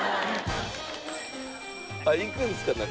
行くんですか中。